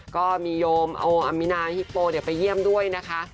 ก็มีโยมโออามินาฮิปโปไปเยี่ยมด้วยนะคะ